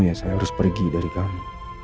ya saya harus pergi dari kami